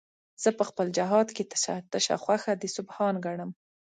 زه په خپل جهاد کې تشه خوښه د سبحان ګټم